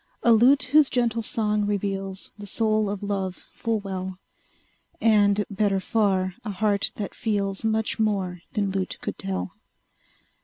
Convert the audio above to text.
A lute whose gentle song reveals The soul of love full well; And, better far, a heart that feels Much more than lute could tell.